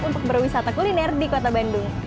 untuk berwisata kuliner di kota bandung